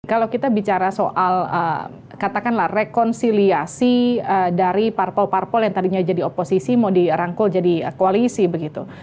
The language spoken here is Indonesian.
kalau kita bicara soal katakanlah rekonsiliasi dari parpol parpol yang tadinya jadi oposisi mau dirangkul jadi koalisi begitu